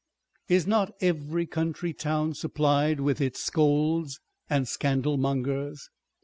Is not every country town supplied with its scolds and scandal mongers?